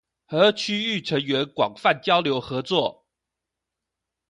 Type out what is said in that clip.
和區域成員廣泛交流合作